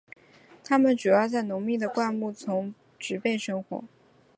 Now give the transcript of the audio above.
它们主要在浓密的灌木丛植被生活。